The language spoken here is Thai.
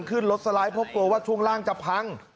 ขึ้นรถสไลด์พบกันว่าตรงล่างจะพัง